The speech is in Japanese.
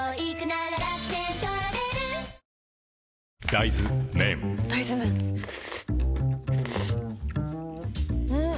大豆麺ん？